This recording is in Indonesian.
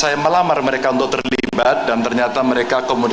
ya nanti semuanya lengkap